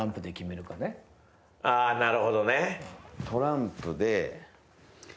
あなるほどね。